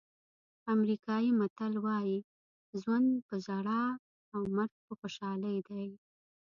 امریکایي متل وایي ژوند په ژړا او مرګ په خوشحالۍ دی.